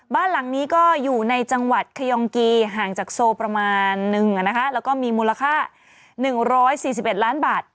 บ้านหลังนี้ก็อยู่ในจังหวัดขยองกีห่างจากโซประมาณนึงแล้วก็มีมูลค่า๑๔๑ล้านบาท